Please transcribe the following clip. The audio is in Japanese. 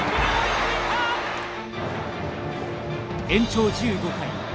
延長１５回。